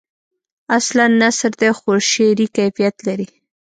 اصلاً نثر دی خو شعری کیفیت لري.